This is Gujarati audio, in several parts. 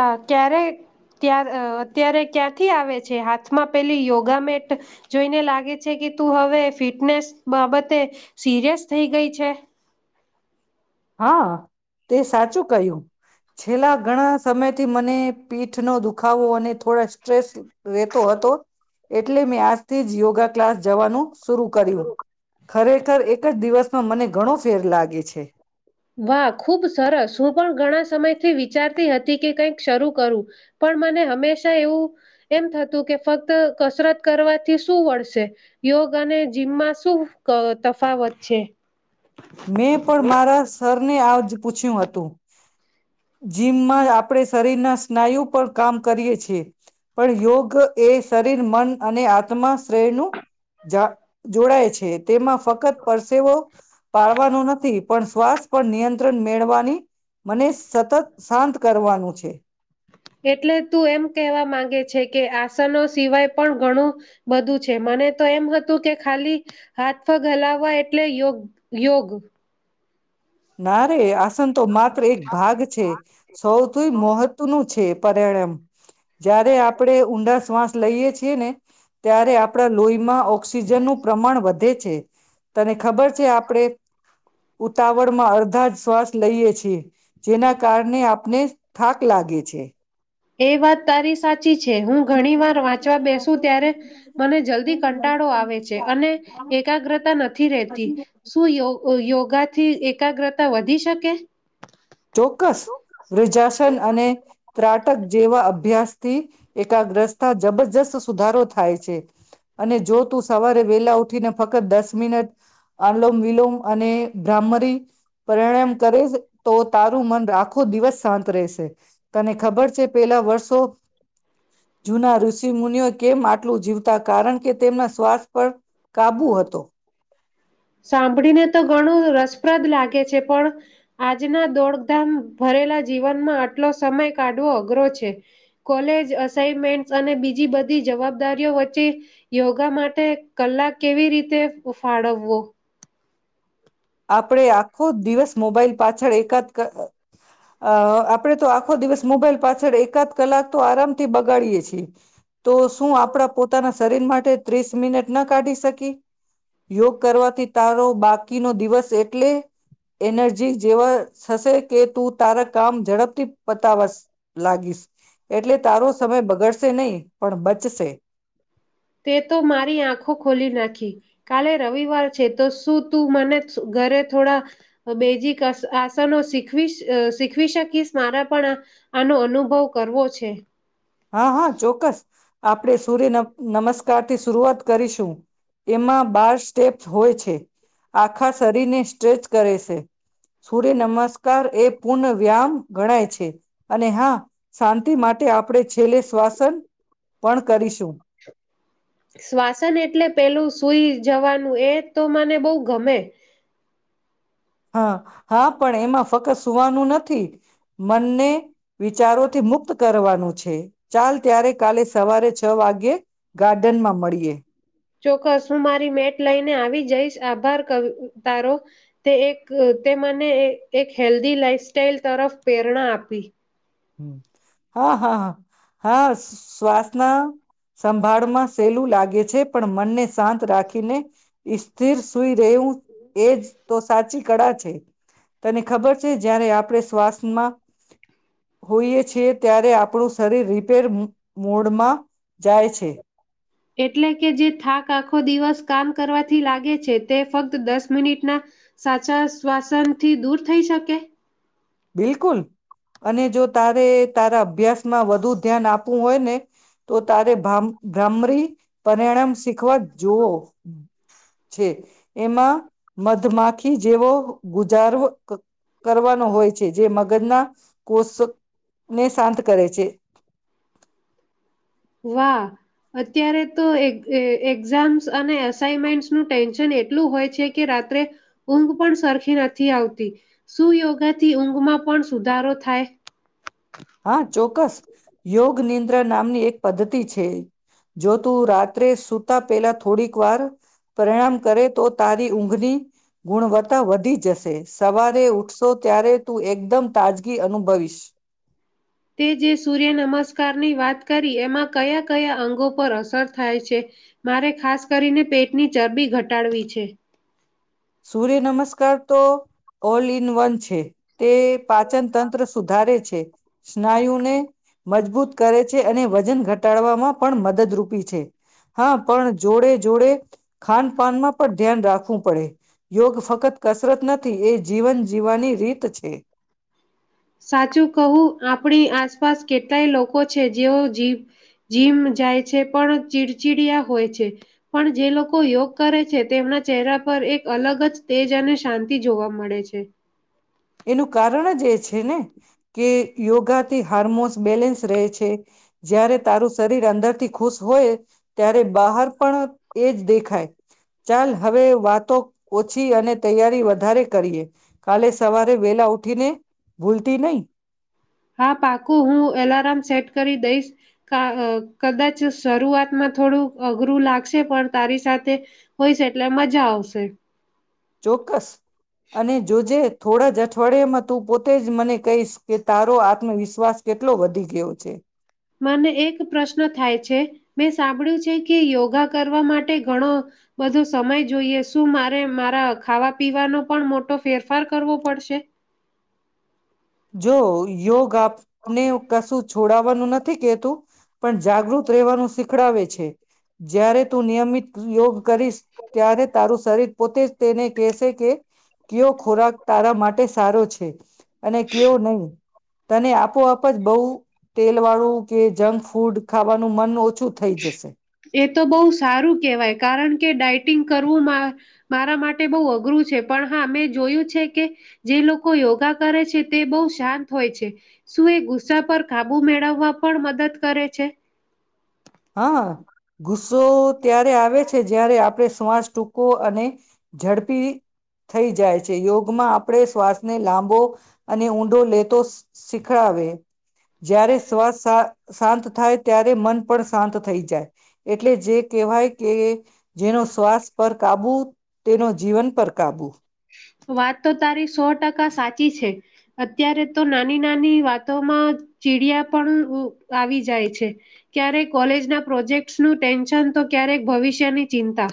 અ ક્યારે અત્યારે ક્યાંથી આવે છે હાથમાં પેલી યોગામેટ જોઈને લાગે છે કે તું હવે ફિટનેસ બાબતે સિરિયસ થઈ ગઈ છે. હા. તે સાચું કહ્યું છેલ્લા ઘણા સમય. થી મને પીઠ નો દુખાવો અને થોડા સ્ટ્રેસ. રેતો હતો એટલે મેં આજથી જ યોગા ક્લાસ જવાનું. શરુ કર્યું ખરેખર એક જ દિવસ મને ઘણો ફેર લાગે છે. વાહ ખુબ સરસ હું પણ ઘણા સમયથી વિચારતી હતી કે કઈક શરૂ કરું પણ મને હંમેશા એવું એમ થતું કે ફક્ત કસરત કરવાથી શું વળશે યોગ અને જીમમાં શું તફાવત છે. મેં પણ મારા સર તને આજ પૂછ્યું હતું. જીમમાં આપણે શરીરના સ્નાયુ પર કામ કરીએ છીએ. પણ યોગ એ શરીર મન અને આત્મા શ્રેયનું જ જોડાય છે તેમાં ફક્ત પરસેવો પાળવાનું નથી પણ શ્વાસ પણ નિયંત્રણ મેળવાની મને સતત શાંત કરવાનું છે. એટલે તું એમ કહેવા માંગે છે કે આસનો સિવાય પણ ઘણું બધું છે મને તો એમ હતું કે ખાલી હાથ ઘલાવવા એટલે યોગ યોગ ના રે આસન તો માત્ર એક ભાગ છે સૌથી મહત્વનું છે. [unintelligible] જયારે આપડે ઊંડા શ્વાસ લઈ છી ને ત્યારે આપણા લોહી માં ઓક્સિજનનું પ્રમાણ વધે છે. તને ખબર છે આપડે ઉતા વળ માં અડધા જ શ્વાસ લઈએ છેએ જેના કારણે આપને થાક લાગે છે. એ વાત તારી સા ચી છે હું ઘણી વાર વાંચવા બેસુ ત્યારે મને જલ્દી કંટાળો આવે છે અને એકાગ્રતા નથી રહેતી. શું યો યોગાથી એકાગ્રતા વધી શકે? ચોક્કસ વૃજાસન અને ત્રાટક જેવા અભ્યાસ થી એકાગ્રસ્તા જબરજસ્ત સુધારો થાય છે અને જો તું સવારે વેલા ઉઠીને ફક્ત દસ મિનટ આલોમ વિલોમ અને બ્રાહ્મરી પ્રણાયામ કરે તો તારું મન આખો દિવસ શાંત રહેશે. તને ખબર છે પેલા વર્ષ [unintelligible] જુના ઋષિ મુનિઓ કેમ આટલું જીવતા કારણ કે તેમના શ્વાસ પર કાબુ હતો. સાંભળીને તો ઘણું રસપ્રદ લાગે છે. પણ આજના દોડધામ ભરેલા જીવનમાં આટલો સમય કાઢવો અઘરો છે. કોલેજ અસાઇનમેન્ટ અને બીજી બધી જવાબદારીઓ વચ્ચે યોગા માટે કલાક કેવી રીતે ફાળવવો. આપણે આખો દિવસ મોબાઈલ પાછળ એકાદ અ આપડે તો આખો દિવસ મોબાઈલ પાછ છળ એકાદ કલાક તો આરામથી બગાડીએે છીએ. તો શું આપણા પોતાના શરીર માટે ત્રીસ મિનટ ના કાઢી શકી. યોગ કરવાથી તારો બાકી નો દિવસ એટલે એનર્જી જેવા થશે કે તું તારા કામ ઝડપથી પતાવાશ લાગીશ એટલે તારો સમય બગડશે નહી પણ બચશે. તે તો મારી આંખો ખોલી નાખી કાલે રવિવાર છે તો શું તું મને ઘરે થોડા બેજીક આ સનો શીખવીશ અ શીખવી શકીશ મારા પણ આનો અનુભવ કરવો છે. હા હા ચોક્કસ. આપણે સૂર્ય નમ નમસ્કાર થી શરૂઆત કરીશું. એમાં બાર સ્ટેપ હોય છે. આખા શરીરને સ્ટ્રેચ કરે શે. સૂર્ય નમસ્કાર એ પુન વ્યામ ગણાય છે. અને હા શાંતિ માટે આપ કરીશું શ્વાસન એટલે પેલું સુઈ જવાનું એ તો મને બવ ગમે. હા હા પણ એમાં ફક્ત સુવાનું નથી. મનને વિચારોથી મુક્ત કરવાનું છે. ચાલ ત્યારે કાલે સવારે છ વાગ્યે ગાર્ડનમાં મળીએ. ચોક્કસ હું મારી મેટ લઈને આવી જઈશ આભાર કવિ તારો તે એક તે મને એક હેલ્ધી લાઈફ સાઈલ તરફ પ્રેરણા આપી. હા હા હા, હા શ્વાસના સંભાળમાં સેલું લાગ ગે છે પણ મનને શાંત રાખીને સ્થિર સુઈ રહેવું એજ તો સાચી કળા છે તને ખબર છે જયારે આપણે શ્વાસમાં હોઈએ છીએ ત્યારે આપણું શરીર રિપેર મૂડમાં જાય છે. એટલે કે જે થાક આખો દિવસ કામ કરવાથી લાગે છે. તે ફક્ત દસ મિનિટના સાચા શ્વાસનથી દૂર થઈ શકે? બિલકુલ અને જો તારે તારા અભ્યાસમાં વધુ ધ્યાન આપવું હોયને તો તારે ભામ ભ્રામરી પરિણામ શીખવા જોવો. છે. એમાં મધમાખી જેવો ગુજારો ક કરવાનો હોય. મગજના કોષ ને શાંત કરે છે. વાહ! અત્યારે તો એ એ એક્ઝામ્સ અને અસાઇમેન્ટનું ટેન્શન એટલું હોય છે કે રાત્રે ઊંઘ પણ સરખી નથી આવતી. શું યોગાથી ઊંઘમાં પણ સુધારો થાય. હા ચોક્કસ યોગ નિદ્રા નામની એક પદ્ધતિ છે. જો તું રાત્રે સુતા પેલા થોડીક વાર પરિણામ કરે તો તારી ઊંઘની ગુણવત્તા વધી જશે. સવારે ઉઠશ તો ત્યારે તું એકદમ તાજગી અનુભવીશ. તે જે સૂર્ય નમસ્કારની વાત કરી એમાં કયા કયા અંગો પર અસર થાય છે? મારે ખાસ કરીને પેટની ચરબી ઘટાડવી છે. સૂર્ય નમસ્કાર તો ઓલ ઇન વન છે. તે પાચન તંત્ર સુધારે છે, સ્નાયુને મજબૂત કરે છે અને વજન ઘટ ઘટાડવામાં પણ મદદરૂપી છે. હા પણ જોડે જોડે ખાન પાનમાં પણ ધ્યાન રાખવું પડે. યોગ ફક્ત કસરત નથી એ જીવન જીવવાની રીત છે. સાચું કહું આપડી આ આસપાસ કેટલાય લોકો છે જેઓ જી જીમ જાય છે પણ ચીડચીડિયા હોય છે પણ જે લોકો યોગ કરે છે તેમના ચહેરા પર એક અલગ જ તેજ અને શાંતિ જોવા મળે છે. એનું કારણ જ એ છે ને કે યોગાથી હાર્મોન્સ બેલેન્સ રહે છે. જયારે તારું શરીર અંદરથી ખુશ હોય ત્યારે બહાર પણ એ જ દેખાય. ચાલ હવે વાતો ઓછી અને તૈયારી વધ વધારે કરીએ. કાલે સવારે વેલા ઉઠીને ભૂલતી નહી. હા પાકું હું એલાર્મ સેટ કરી દઈશ કદાચ શરૂઆતમાં થોડું અઘરું લાગશે પણ તારી સાથે હોઈસ છે એટલે મજા આવશે. ચોક્કસ. અને જોજે થોડા જ અઠવાડિયમાં તું પોતે જ મને કહીશ કે તારો આત્મવિશ્વાસ કેટલો વધી ગયો છે. મને એક પ્રશ્ન થાય છે મેં સાંભળ્યું છે કે યોગા કરવા માટે ઘણો બધો સમય જોઈએ શું મારે મારા ખાવા પીવાનો પણ મોટો ફેરફાર કરવો પડશે. જો યોગ આપને કશું છોડવાનું નથી કેતું પણ જાગૃત રહેવાનું શીખડાવે છે. જ્યારે તું નિયમિત યોગ. કરીશ ત્યારે તારું શરીર પોતે તેને કહેશે કે કયો ખોરાક તારા માટે સારો છે. કેવ નહી તને આપોઆપ જ બહુ તેલ વાળું કે જંક ફૂડ ખાવાનું નું મન ઓછું થઈ જશે [unintelligible] એ તો બહુ સારું કેવાય કારણ કે ડાઇટ ટીંગ કરવું મારા માટે બહ અઘરું છે. પણ હા મેં જોયું છે કે જે લોકો યોગા કરે છે તે બહુ શાંત હોય છે. શું એ ગુસ્સા પર કાબુ મેળવવા પણ મદદ કરે છે? હા ગુસ્સો ત્યારે આવે છે જ્યારે આપણે શ્વાસ ટૂંકો અને ઝડપી થઈ જાય છે. યોગમાં આપણે શ્વાસને લાંબો અને ઊંડો લેતો શીખડાવે જ્યારે શ્વાસ શા શાંત થાય ત્યારે મન પણ શાંત થઈ જાય એટલે જે કહેવાય કે જેનો શ્વાસ પર કાબુ તેનો જીવન પર કાબુ. વાત તો તારી સો ટકા સાચી છે. અત્યારે તો નાની નાની વાતોમાં ચીડિયા પણ આવી જાય છે. ક્યારેક કોલેજના પ્રોજેક્ટ નું ટેન્શન તો ક્યારેક ભવિષ્યની ચિંતા.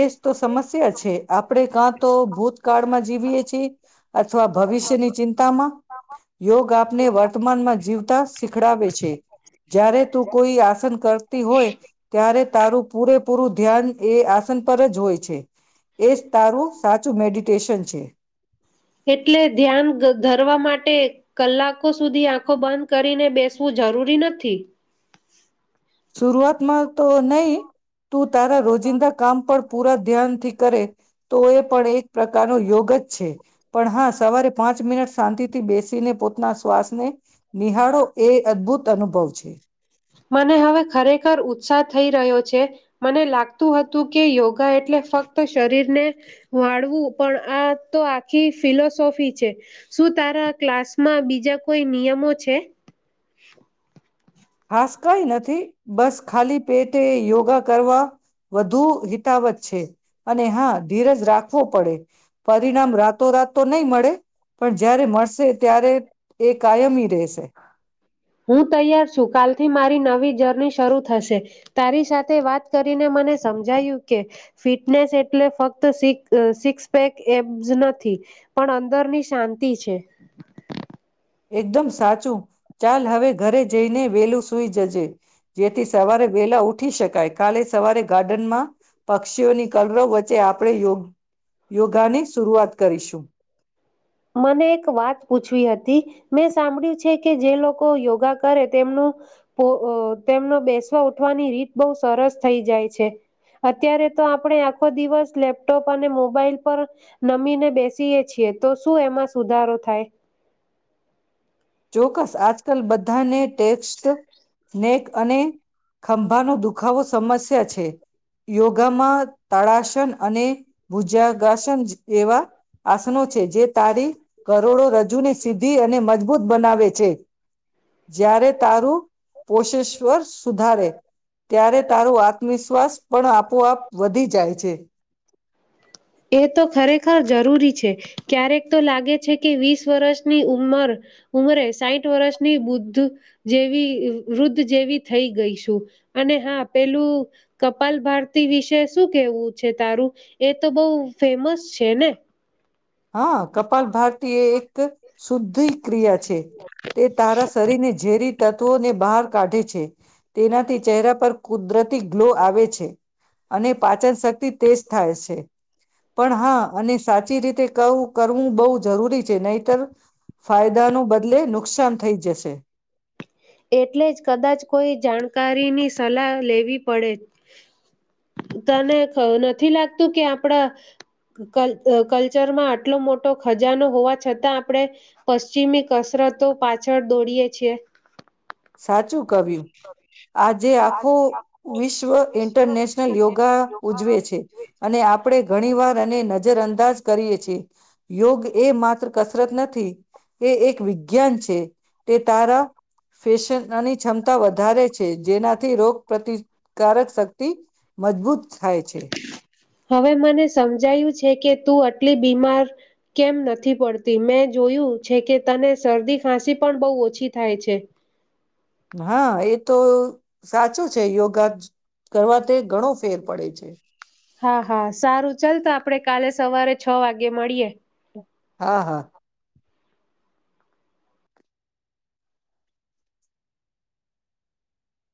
એજ તો સમસ્યા છે. આપણેે કાં તો ભૂતકાળમાં જીવીએ છીએ. અથવા ભવિષ્યની ચિંતામાં. યોગ આપને વર્તમાનમાં જીવતા શીખડાવે છે. જ્યારે તું કોઈ આસન કરતી હોય ત્યારે તારું પૂરેપૂરું ધ્યાન એ આ પર જ હોય છે. એ જ તારું સાચું મેડિટેશન છે. એટલે ધ્યાન ધ ધરવા માટે કલાકો સુધી આંખો બંધ કરીને બેસવું જરૂરી નથી. સુરૂઆતમાં તો નહી. તું તારા રોજિંદા કામ પર પૂરા ધ્યાનથી કરે તો એ પણ એક પ્રકારનો યોગ જ છે. પણ હા સવારે પાંચ મિનટ સાંતિથી બેસીને પોતાના શ્વાસને નિહાળો એ અદ્ભુત અનુભવ છે. મને હવે ખરેખર ઉત્સાહ થઈ રહ્યો છે. મને લાગતું હતું કે યોગા એટલે ફ્કત શરીરને વાળવું, પણ આ તો આખી ફિલોસોફી છે, સું તારા ક્લાસમાં બીજા કોઈ નિયમો છે? ખાસ કઈ નથી બસ ખાલી પેટે યોગા કરવા. વધુ હિતાવત્ છે અને હા, ધીરજ રાખવો પડે. પરિણામ રાતો રાત નહી મળે. પણ જયારે મળસે ત્યારે એ કાયમી રહેશે હું તૈયાર છું. કાલ થી મારી નવી જર્ની શરૂ થશે. તારી સાથે વાત કરીને મને સમજાયું કે ફિટનેસ એટલે ફક્ત સિક સિક્સપેક એબસ નથી. પણ અંદરની શાંતિ છે. એકદમ સાચું. ચાલ હવે ઘરે જઈને વેલું સુઈ જજે. જેથી સવારે વેલા ઉઠી શકે. કાય, કાલે સવારે ગાર્ડન માં પક્ષીઓની કલરવ વચ ચ્ચે આપણે યોગ યોગા ની સુરૂઆત કરીસુ. મને એક વાત પૂછવી હતી. મેં સાંભળ્યું છે કે જે લોકો યોગા કરે, તેમનું પો, અ, તેમનું બેસવા ઉઠવાની રીત બહુ સરસ થઈ જાય છે. અત્યારે તો આપણે આખો દિવસ લેપટોપ અને મોબાઈલ પર નમીને બેસીએ છીએ. તો શું એમાં સુધારો થાય? ચોક્કસ. આજકાલ બધાને ટેક્સ્ટ નેક અને ખંભાનો દુખાવો સમસ સ્યા છે. યોગામાં તાડાશ શન અને ભુજાગાસન જેવા આસનો છે. જે તારી કરોડો રજૂ ને સીધી અને મજબૂત બનાવે છે. જ્યારે તારું પોષેશ્વર સુધારે. ત્યારે તારું આત્મવિશ્વાસ પણ આપોઆપ વધી જાય છે. એ તો ખરેખર જરૂરી છે. ક્યારેક તો લાગે છે કે વીસ વરસની ઉંમર ઉમરે સાઈઠ વરસની વૃદ્ધ, જેવી વૃદ્ધ જેવી થઈ ગઈ છું. અને હા, પેલું કપાલ ભારતી વિશે શું કેહેવું છે તારું? એ તો બહુ ફેમસ છે ને? હા કપાલ ભારતિ એ એક શુદ્ધિ- ક્રિયા છે. તે તારા શરીરને ઝેરી તત્વોને બહાર કાઢે છે. તેનાથી ચહેરા પર કુદરતી ગ્લો આવે છે. અને પાચન શક્તિ તેજ થાય છે. પણ હા અને સાચી રીત કહું કરવું બહુ જરૂરી છે. નહીતર ફાયદાનો બદલે નુક નુકસાન થઈ જશે. એટલે જ કદાચ કોઈ જાણકારીની સલાહ લેવી પડે. તને [unintelligible] નથી લાગતું કે આપણા કલ કલ્ચરમાં આટલો મોટો ખજાનો હોવા છતાં આપણે પશ્ચિમી કસરતો પાછળ દોડીએ છીએ? સાચું કવ્યું. આજે આખું વિશ્વ ઇન્ટરનેશનલ યોગા ઉજવે છે. અને આપણે ઘણી વાર અને નજર અંદાજ કરીએ છીએ. યોગ એ માત્ર કસરત નથી, એ એક વિજ્ઞાન છે. તે તારા ફેશનની ક્ષમતા વધારે છે જેનાથી રોગ પ્રતિ કારક શક્તિ મજબૂત થાય છે. હવે મને સમજાયું છે કે તું અટલી બીમાર કેમ નથી પડતી. મેં જોયું છે કે તને શરદી ખાંસી પણ બહુ ઓછી થાય છે. હા એ તો સાચું છે યોગા કરવા તે ઘણો ફેર પડે છે. હા હા સારું ચલ તો આપણે કાલે સવારે છ વાગે મળીએે. હા હા.